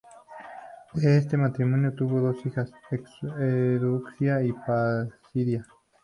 De este matrimonio tuvo dos hijas, Eudoxia y Placidia.